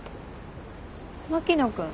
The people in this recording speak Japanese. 牧野君。